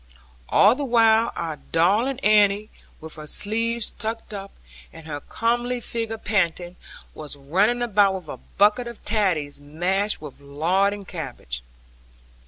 All the while our darling Annie, with her sleeves tucked up, and her comely figure panting, was running about with a bucket of taties mashed with lard and cabbage.